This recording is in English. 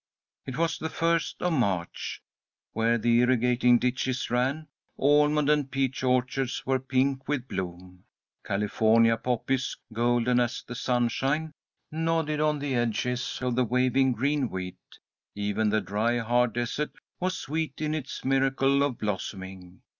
It was the first of March. Where the irrigating ditches ran, almond and peach orchards were pink with bloom. California poppies, golden as the sunshine, nodded on the edges of the waving green wheat. Even the dry, hard desert was sweet in its miracle of blossoming.